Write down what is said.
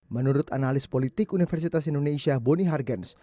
menurut analis politik universitas indonesia bonihargens